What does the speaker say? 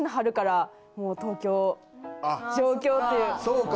そうか。